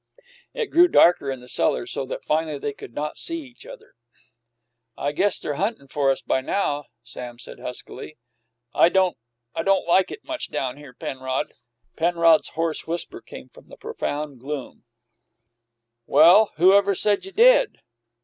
It grew darker in the cellar, so that finally they could not see each other. "I guess they're huntin' for us by now," Sam said huskily. "I don't I don't like it much down here, Penrod." Penrod's hoarse whisper came from the profound gloom: "Well, who ever said you did?"